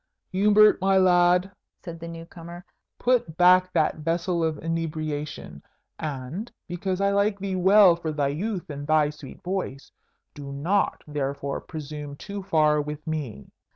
"Hubert, my lad," said the new comer, "put back that vessel of inebriation; and, because I like thee well for thy youth and thy sweet voice, do not therefore presume too far with me."